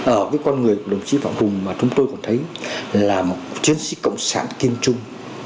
ở cái con người của đồng chí phạm hùng mà chúng tôi còn thấy là một chiến sĩ cộng sản kiên trung